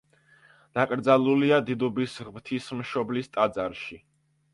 დაკრძალულია დიდუბის ღვთისმშობლის ტაძარში.